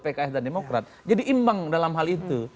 pks dan demokrat jadi imbang dalam hal itu